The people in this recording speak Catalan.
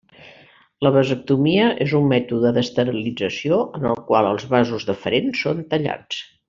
La vasectomia és un mètode d'esterilització en el qual els vasos deferents són tallats.